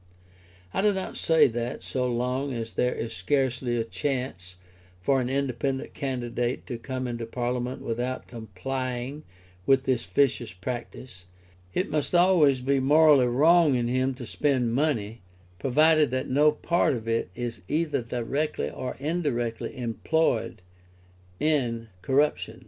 I do not say that, so long as there is scarcely a chance for an independent candidate to come into Parliament without complying with this vicious practice, it must always be morally wrong in him to spend money, provided that no part of it is either directly or indirectly employed in corruption.